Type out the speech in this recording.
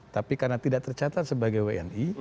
tapi karena tidak tercatat sebagai wni